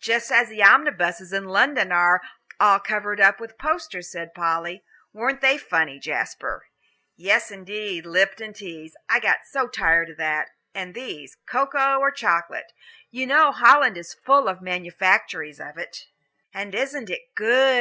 "Just as the omnibuses in London are all covered over with posters," said Polly; "weren't they funny, Jasper?" "Yes, indeed, 'Lipton Teas,' I got so tired of that. And these, cocoa or chocolate. You know Holland is full of manufactories of it." "And isn't it good?"